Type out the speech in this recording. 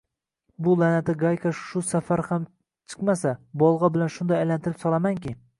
bu la’nati gayka shu safar ham chiqmasa, bolg‘a bilan shunday aylantirib solamanki